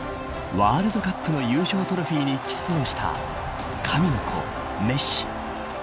ワールドカップの優勝トロフィーにキスをした神の子メッシ。